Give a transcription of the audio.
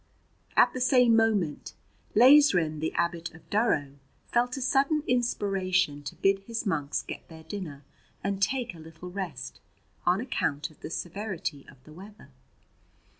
At the same moment Laisren, the abbot of Durrow, felt a sudden inspiration to bid his monks get their dinner, and take a little rest, on account of the severity of the weather.